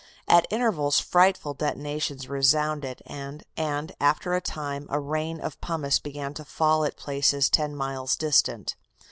At intervals frightful detonations resounded, and after a time a rain of pumice began to fall at places ten miles distant.